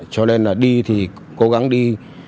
cho nên là đi thì cố gắng đi